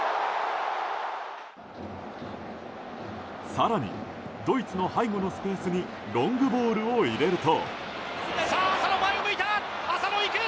更にドイツの背後のスペースにロングボールを入れると。